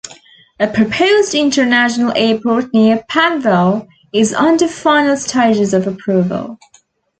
A proposed international airport near Panvel is under final stages of approval.